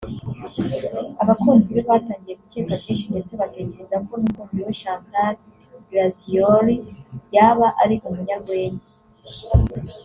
abakunzi be batangiye gukeka byinshi ndetse batekereza ko n’umukunzi we Chantal Grazioli yaba ari umunyarwenya